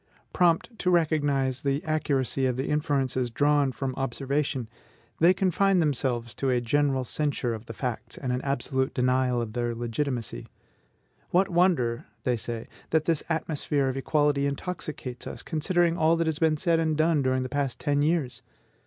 Prompt to recognize the accuracy of the inferences drawn from observation, they confine themselves to a general censure of the facts, and an absolute denial of their legitimacy. "What wonder," they say, "that this atmosphere of equality intoxicates us, considering all that has been said and done during the past ten years!...